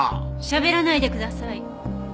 しゃべらないでください。